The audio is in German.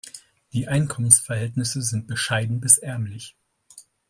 Die Einkommensverhältnisse sind bescheiden bis ärmlich.